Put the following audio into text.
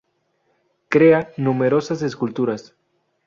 Crea numerosas esculturas.